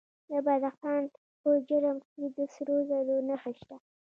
د بدخشان په جرم کې د سرو زرو نښې شته.